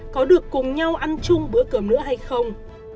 có được cùng nhau ăn chung bữa cơm nữa hay không